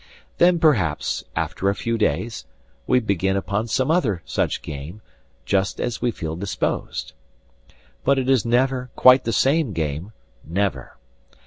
Then perhaps, after a few days, we begin upon some other such game, just as we feel disposed. But it is never quite the same game, never.